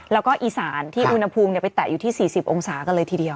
แล้วก็อีสานที่อุณหภูมิไปแตะอยู่ที่๔๐องศากันเลยทีเดียว